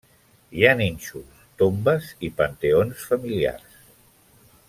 Hi ha nínxols, tombes i panteons familiars.